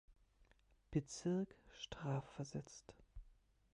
Bezirk strafversetzt.